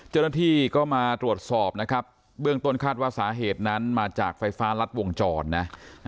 เจ้าหน้าที่ก็มาตรวจสอบนะครับเบื้องต้นคาดว่าสาเหตุนั้นมาจากไฟฟ้ารัดวงจรนะ